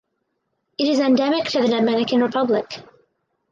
It is endemic to the Dominican Republic.